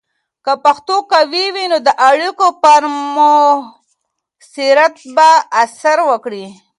که پښتو قوي وي، نو د اړیکو پر مؤثریت به اثر وکړي.